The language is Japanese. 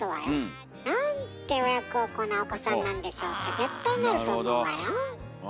「なんて親孝行なお子さんなんでしょう」って絶対なると思うわよ。